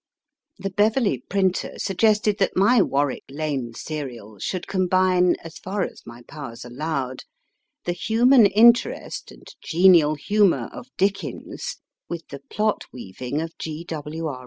The Beverley printer sug gested that my Warwick Lane serial should combine, as far as my powers allowed, the human interest and genial humour of Dickens with the plot weaving of G. W. R.